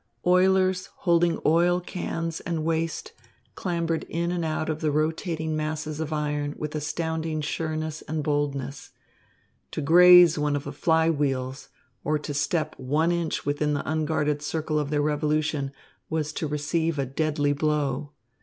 Oilers holding oil cans and waste clambered in and out of the rotating masses of iron with astounding sureness and boldness. To graze one of the fly wheels, or to step one inch within the unguarded circle of their revolution, was to receive a deadly blow.